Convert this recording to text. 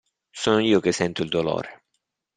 Sono io che sento il dolore.